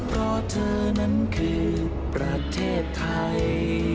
เพราะเธอนั้นคือประเทศไทย